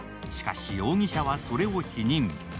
しかし、容疑者はそれを否認。